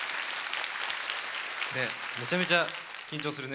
めちゃめちゃ緊張するね